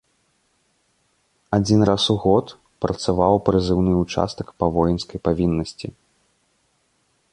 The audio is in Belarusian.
Адзін раз у год працаваў прызыўны ўчастак па воінскай павіннасці.